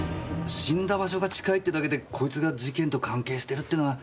死んだ場所が近いってだけでこいつが事件と関係してるってのは。